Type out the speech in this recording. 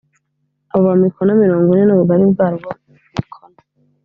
buba mikono mirongo ine n ubugari bwarwo mikono